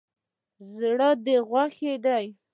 زړه ده غوښی دی